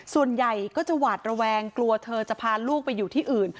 ส่วนใหญ่ก็จะหวาดระแวงกลัวเธอจะพาลูกไปอยู่ที่อื่น